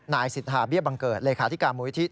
นายศิษฐาเบี้ยบังเกิดเลยค้าที่การมูลวิทิศ